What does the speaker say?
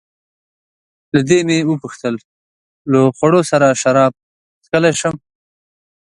له دې مې وپوښتل: له خوړو سره شراب څښلای شم؟